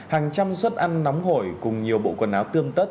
hàng trăm suất ăn nóng hổi cùng nhiều bộ quần áo tươm tất